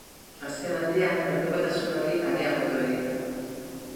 Azkenaldian menpekotasun hori areagotu egin da.